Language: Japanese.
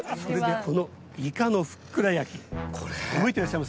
この「いかのふっくら焼」覚えてらっしゃいます？